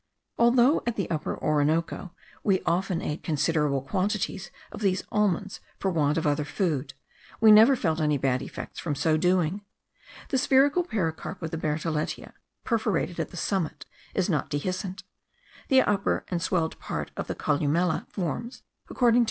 Although at the Upper Orinoco we often ate considerable quantities of these almonds for want of other food, we never felt any bad effects from so doing. The spherical pericarp of the bertholletia, perforated at the summit, is not dehiscent; the upper and swelled part of the columella forms (according to M.